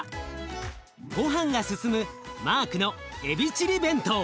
ごはんが進むマークのエビチリ弁当。